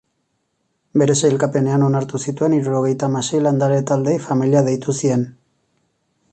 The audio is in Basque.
Bere sailkapenean onartu zituen hirurogeita hamasei landare-taldeei familia deitu zien.